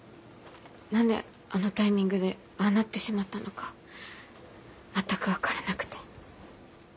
何であのタイミングでああなってしまったのか全く分からなくて。